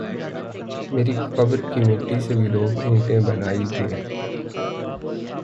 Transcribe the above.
میری قبر کی مٹی سے بھی لوگ اینٹیں بنائی گے ۔